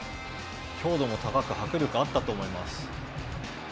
強度も高く、迫力があったと思います。